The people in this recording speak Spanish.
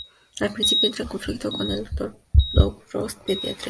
Al principio, entra en conflicto con el Dr. Doug Ross, pediatra, y la Dra.